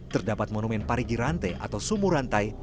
terdapat monumen parigi rante atau sumur rantai